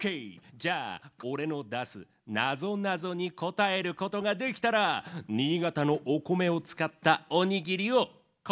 じゃあおれのだすなぞなぞにこたえることができたら新潟のお米をつかったおにぎりをかえしてやるヨー！